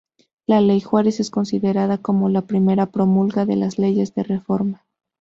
La ley Juárez es considerada como la primera promulgada de las Leyes de Reforma.